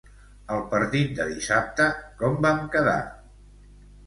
El partit de dissabte com vam quedar?